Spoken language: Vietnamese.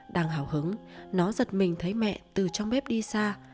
đang hào hứng nó giật mình thấy mẹ từ trong bếp đi xa